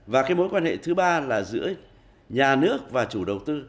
và cái mối quan hệ thứ ba là giữa nhà nước và chủ đầu tư